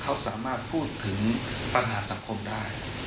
เขาสามารถพูดถึงปัญหาสังคมได้